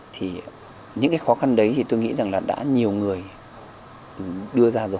thì những cái khó khăn đấy thì tôi nghĩ rằng là đã nhiều người đưa ra rồi